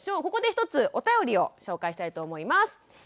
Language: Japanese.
ここで一つお便りを紹介したいと思います。